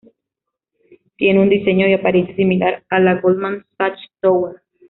Tiene un diseño y apariencia similar a la Goldman Sachs Tower.